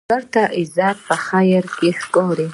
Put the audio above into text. سوالګر ته عزت په خیر کې ښکاري